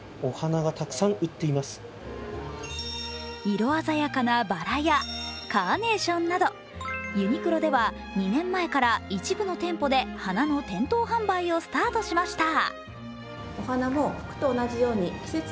色鮮やかなばらやカーネーションなど、ユニクロでは２年前から一部の店舗で花の店頭販売をスタートしました。